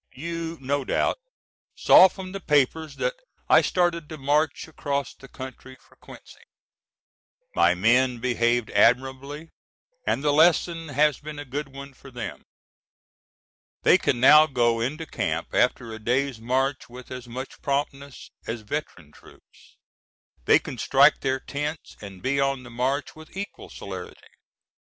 You no doubt saw from the papers that I started to march across the country for Quincy. My men behaved admirably, and the lesson has been a good one for them. They can now go into camp after a day's march with as much promptness as veteran troops; they can strike their tents and be on the march with equal celerity.